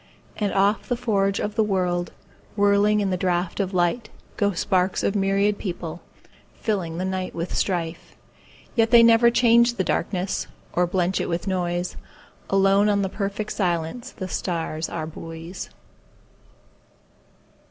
And off the forge of the world, Whirling in the draught of life, Go sparks of myriad people, fillingThe night with strife. Yet they never change the darknessOr blench it with noise; Alone on the perfect silenceThe stars are buoys.